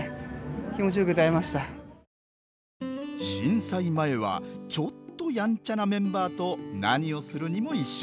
震災前はちょっとヤンチャなメンバーと何をするにも一緒。